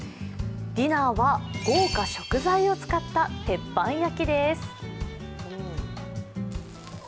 ディナーは豪華食材を使った鉄板焼きです。